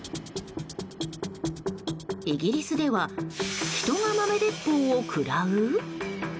イギリスではヒトが豆鉄砲を食らう？